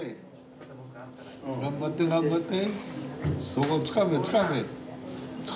頑張って頑張って。